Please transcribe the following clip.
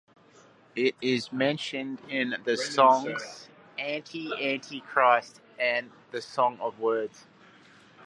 It is mentioned in the songs 'Anti-Anti-Christ' and 'The Song of Words'.